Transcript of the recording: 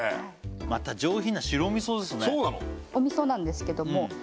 また上品な白味噌ですね